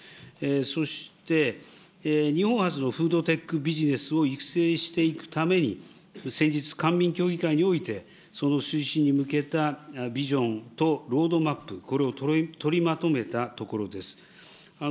そして、日本はつのフードテックビジネスを育成していくために、先日、官民協議会において、その推進に向けたビジョンとロードマップ、これを取りまとめたところです。